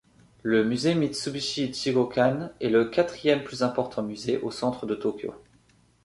Le musée Mitsubishi Ichigokan est le quatrième plus important musée au centre de Tokyo.